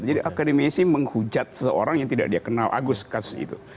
jadi akademisi menghujat seseorang yang tidak dia kenal agus kasus itu